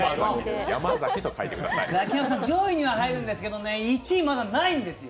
上位はあるんですけど１位はないんですよ。